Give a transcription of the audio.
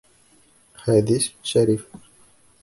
Хәҙис шәриф.